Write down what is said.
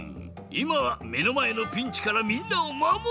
いまはめのまえのピンチからみんなをまもる！